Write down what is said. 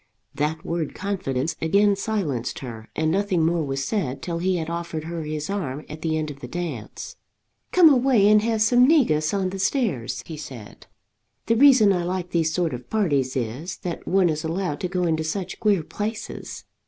That word confidence again silenced her, and nothing more was said till he had offered her his arm at the end of the dance. "Come away and have some negus on the stairs," he said. "The reason I like these sort of parties is, that one is allowed to go into such queer places.